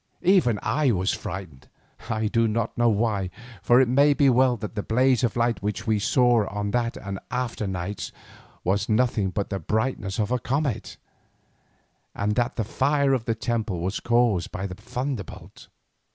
Even I was frightened, I do not know why, for it may well be that the blaze of light which we saw on that and after nights was nothing but the brightness of a comet, and that the fire in the temple was caused by a thunderbolt.